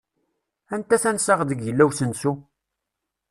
Anta tansa deg illa usensu?